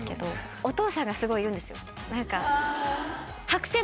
お父さんがすごい言うんですよ。